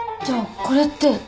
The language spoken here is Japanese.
じゃあこれって。